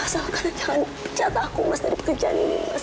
asalkan jangan pecat aku mas dari pekerjaan ini mas